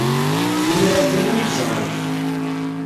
Imir-a kan ay t-ẓran.